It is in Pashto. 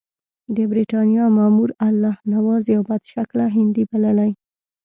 د برټانیې مامور الله نواز یو بدشکله هندی بللی.